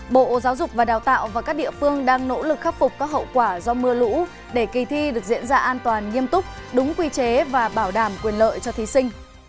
bộ giáo dục và đào tạo và các địa phương đang nỗ lực khắc phục các hậu quả do mưa lũ để kỳ thi được diễn ra an toàn nghiêm túc đúng quy chế và bảo đảm quyền lợi cho thí sinh